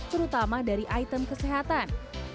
terutama dari item kesehatan